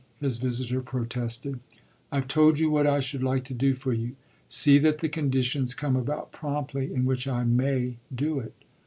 his visitor protested. "I've told you what I should like to do for you. See that the conditions come about promptly in which I may, do it.